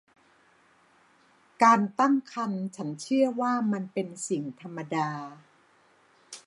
การตั้งครรภ์ฉันเชื่อว่ามันเป็นสิ่งธรรมดา